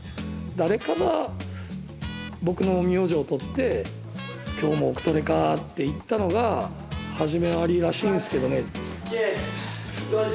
誰かが僕の名字を取って「今日も奥トレかぁ」って言ったのが始まりらしいんですけどね。